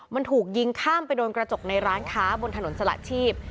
มันถูกยิงข้ามไปโดนกระจกในร้านค้าบนถนนสละชีพ